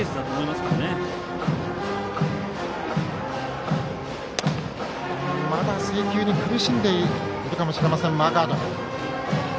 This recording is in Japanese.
まだ制球に苦しんでいるかもしれませんマーガード。